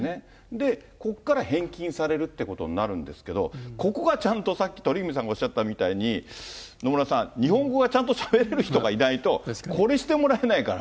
で、ここから返金されるってことになるんですけど、ここがちゃんと、さっき鳥海さんがおっしゃったみたいに、野村さん、日本語がちゃんとしゃべれる人がいないと、これしてもらえないから。